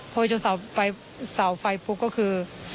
พอไปชงเสาไฟพุกก็คือ